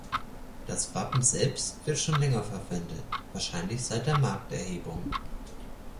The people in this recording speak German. Das Wappen selbst wird schon länger verwendet, wahrscheinlich seit der Markterhebung.